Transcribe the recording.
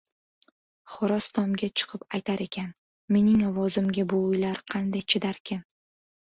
• Xo‘roz tomga chiqib aytar ekan: “Mening ovozimga bu uylar qanday chidarkin?”.